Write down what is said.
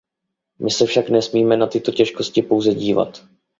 My se však nesmíme na tyto těžkosti pouze dívat.